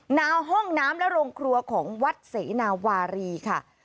หน้าห้องน้ำและโรงครัวของวัดเสนาวารีค่ะ